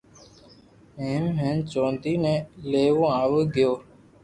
ھيم ھين چوندي بي ليون آوي گيو